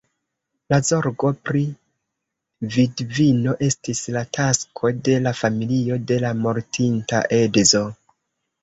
La zorgo pri vidvino estis la tasko de la familio de la mortinta edzo.